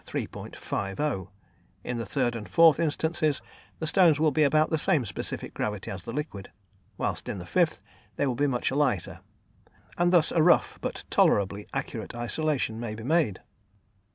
50; in the third and fourth instances, the stones will be about the same specific gravity as the liquid, whilst in the fifth, they will be much lighter, and thus a rough but tolerably accurate isolation may be made.